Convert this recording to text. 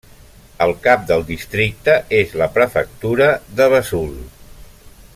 El cap del districte és la prefectura de Vesoul.